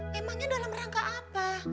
memangnya dalam rangka apa